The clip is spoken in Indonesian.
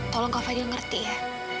tolong kak fadil ngerti ya